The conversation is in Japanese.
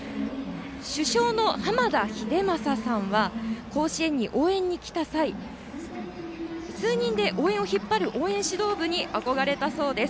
主将の濱田英聖さんは甲子園に応援に来た際数人で応援を引っ張る応援指導部に憧れたそうです。